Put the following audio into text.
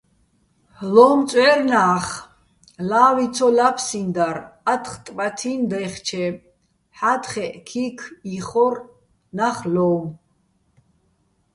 ლო́მწვჵერნა́ხ ლავი ცო ლაფსინდარ ათხ ტბათი́ნი̆ დაჲხჩე, ჰ̦ა́თხეჸ ქიქ იხორ ნახ ლო́უმო̆.